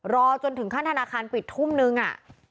รอจนถึงขั้นธนาคารปิดทุ่มนึง